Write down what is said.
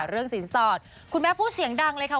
สินสอดคุณแม่พูดเสียงดังเลยค่ะ